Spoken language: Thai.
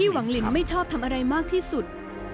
หวังลินไม่ชอบทำอะไรมากที่สุด